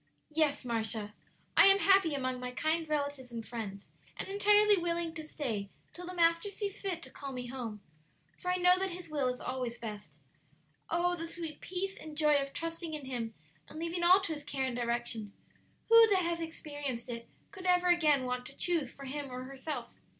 "Yes, Marcia; I am happy among my kind relatives and friends; and entirely willing to stay till the Master sees fit to call me home, for I know that His will is always best. Oh, the sweet peace and joy of trusting in Him and leaving all to His care and direction! Who that has experienced it could ever again want to choose for him or herself?"